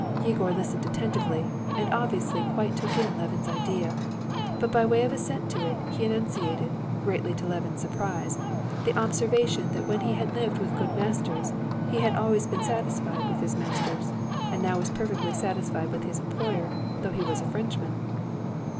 Yegor listened attentively, and obviously quite took in Levin's idea, but by way of assent to it he enunciated, greatly to Levin's surprise, the observation that when he had lived with good masters he had always been satisfied with his masters, and now was perfectly satisfied with his employer, though he was a Frenchman.